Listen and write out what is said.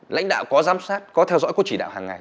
lãnh đạo có giám sát có theo dõi có chỉ đạo hàng ngày